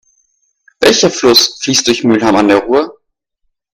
Welcher Fluss fließt durch Mülheim an der Ruhr?